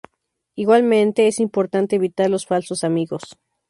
Igualmente es importante evitar los falsos amigos.